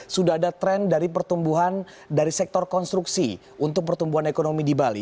sudah ada tren dari pertumbuhan dari sektor konstruksi untuk pertumbuhan ekonomi di bali